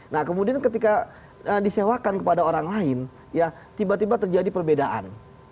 nah kemudian ketika disewakan kepada orang lain ya tiba tiba terjadi perbedaan